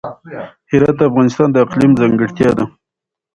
هرات د افغانستان د اقلیم ځانګړتیا ده.